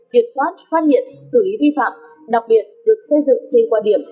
biệt phát phát hiện xử lý vi phạm đặc biệt được xây dựng trên quả điểm